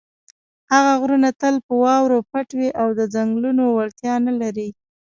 هغه غرونه تل په واورو پټ وي او د څنګلونو وړتیا نه لري.